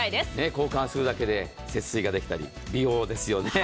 交換するだけで節水できたり、美容ですよね。